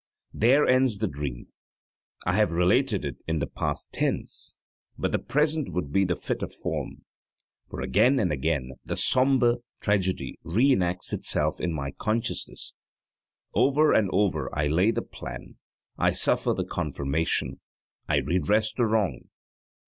There ends the dream. I have related it in the past tense, but the present would be the fitter form, for again and again the sombre tragedy re enacts itself in my consciousness over and over I lay the plan, I suffer the confirmation, I redress the wrong.